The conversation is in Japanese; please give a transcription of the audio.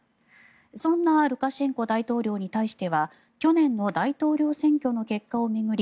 そんなルカシェンコ大統領に対しては去年の大統領選挙の結果を巡り